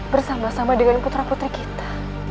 bersama sama dengan putra putri kita